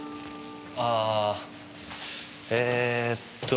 ああえーっと。